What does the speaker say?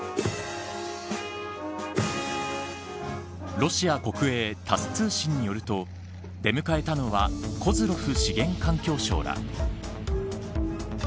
ロシア国営タス通信によると出迎えたのはコズロフ資源環境相ら。